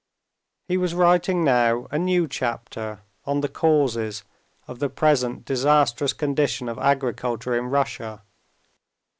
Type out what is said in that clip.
He was writing now a new chapter on the causes of the present disastrous condition of agriculture in Russia.